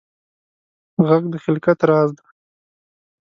غږ د خلقت راز دی